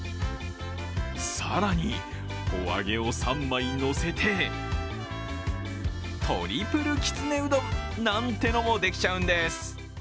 更に、おあげを３枚のせてトリプルきつねうどんなんてのもできちゃうんです。